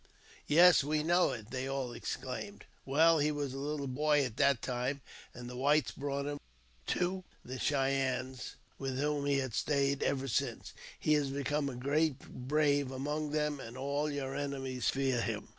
Yes, we know it," they all exclaimed. " Well, he was a little boy at that time, and the whites bought him of the Cheyennes, with whom he has stayed ever since. He has become a great brave among them, and all your enemies fear him."